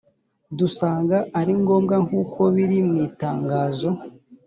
dusanga ari ngombwa nkuko biri mu itangazo